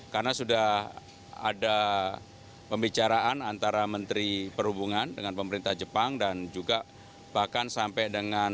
karena sudah ada pembicaraan antara menteri perhubungan dengan pemerintah jepang dan juga bahkan sampai dengan